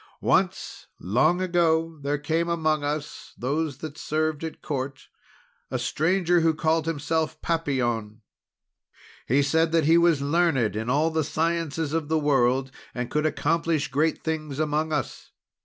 Once, a long while ago, there came among those that served at Court, a stranger who called himself Papillon. He said that he was learned in all the sciences of the world, and could accomplish great things among us.